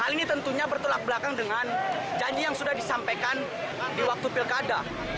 hal ini tentunya bertolak belakang dengan janji yang sudah disampaikan di waktu pilkada